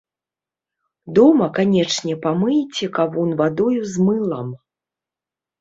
Дома канечне памыйце кавун вадою з мылам.